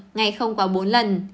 ngày không quá bốn lần